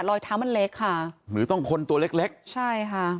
รอยเท้ามันเล็กค่ะหรือต้องคนตัวเล็กเล็กใช่ค่ะ